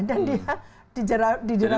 dan dia diderahukum